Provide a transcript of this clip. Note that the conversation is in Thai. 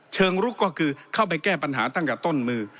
เชิงลุกก็คือเข้าไปแก้ปัญหาตั้งแต่ต้นมือ